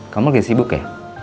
kamu lagi sibuk ya